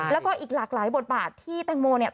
แล้วก็อีกหลากหลายบทบาทที่แตงโมเนี่ย